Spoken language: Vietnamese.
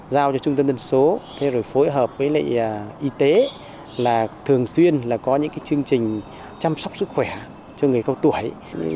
giao cho trung tâm đơn số phối hợp với y tế là thường xuyên có những chương trình chăm sóc sức khỏe cho người cao tuổi